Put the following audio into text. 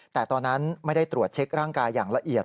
แต่ตอนนั้นไม่ได้ตรวจเช็คร่างกายอย่างละเอียด